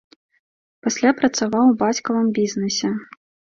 Пасля працаваў у бацькавым бізнэсе.